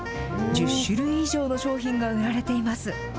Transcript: １０種類以上の商品が売られています。